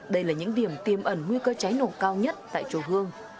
đây là những điểm tiềm ẩn nguy cơ cháy nổ cao nhất tại chùa hương